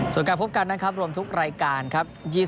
ส่วนการพบกันนะครับรวมทุกรายการครับ